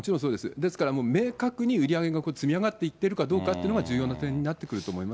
ですからもう明確に売り上げが積み上がっていってるかどうかっていうのが重要な点になってくると思います。